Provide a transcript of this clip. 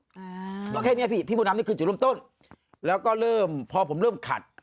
เพราะแค่เนี้ยพี่พี่มดดำนี่คือจุดเริ่มต้นแล้วก็เริ่มพอผมเริ่มขัด